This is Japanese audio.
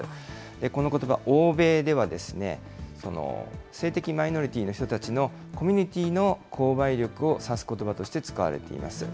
このことば、欧米ではですね、性的マイノリティーの人たちのコミュニティの購買力を指すことばとして使われています。